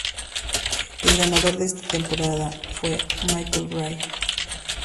El ganador de esta temporada fue Michael Wray.